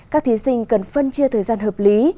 các thí sinh cần phân chia thời gian hợp lý